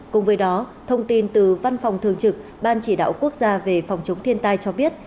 cùng với đó thông tin từ văn phòng thường trực ban chỉ đạo quốc gia về phòng chống thiên tai cho biết